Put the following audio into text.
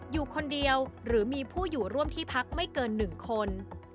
อยู่คนเดียวหรือมีผู้อยู่ร่วมที่พักไม่เกิน๑คน